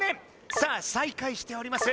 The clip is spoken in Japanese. さあ再開しております